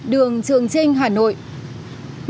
đường trường trinh hà nội